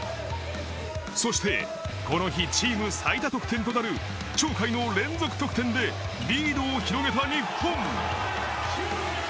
そして、この日チーム最多得点となる鳥海の連続得点でリードを広げた日本。